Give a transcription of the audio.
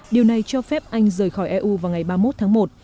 điều này cho phép anh rời khỏi eu vào ngày ba mươi một tháng một